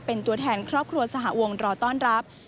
เป็นตัวแทนครอบครัวสหวงรอต้อนรับ